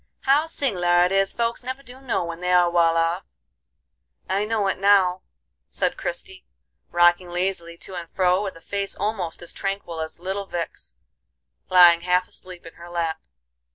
How sing'lar it is folks never do know when they are wal off!" "I know it now," said Christie, rocking lazily to and fro, with a face almost as tranquil as little Vic's, lying half asleep in her lap.